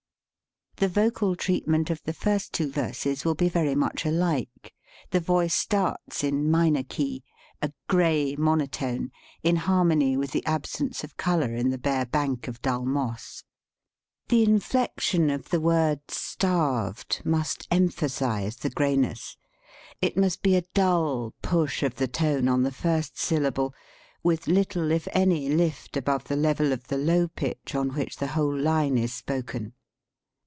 The vocal treatment of the first two verses will be very much alike. The voice starts in minor key, a gray monotone, in harmony with the absence of color in the bare bank of dull moss. The inflection of the word " starved " must emphasize the grayness. It must be a dull push of the tone on the first 6 77 THE SPEAKING VOICE syllable, with little, if any, lift above the level of the low pitch on which the whole line is spoken.